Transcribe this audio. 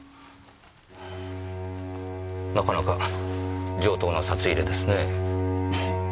なかなか上等な札入れですねぇ。